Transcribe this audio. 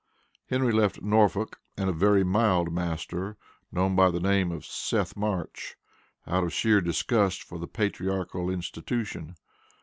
Henry left Norfolk and a "very mild master," known by the name of "Seth March," out of sheer disgust for the patriarchal institution.